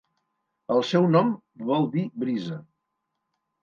El seu nom vol dir Brisa.